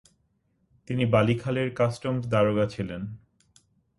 তিনি বালিখালের কাস্টমস দারোগা ছিলেন।